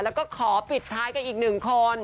แล้วก็ขอปิดท้ายกันอีกหนึ่งคน